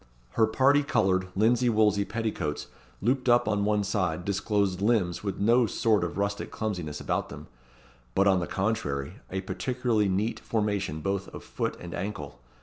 Her parti coloured, linsey woolsey petticoats looped up on one side disclosed limbs with no sort of rustic clumsiness about them; but, on the contrary, a particularly neat formation both of foot and ankle.